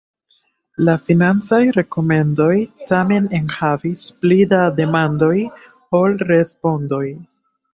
La financaj rekomendoj tamen enhavis pli da demandoj ol respondoj.